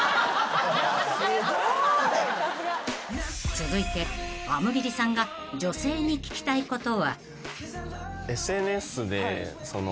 ［続いてあむぎりさんが女性に聞きたいことは？］